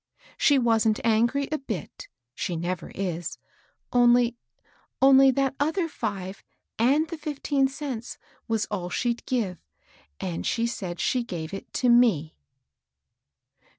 She wasn't angry a bit, — she never is, — only — only that other five and the fifteen cents was all she'd give, and she said she gave it to we."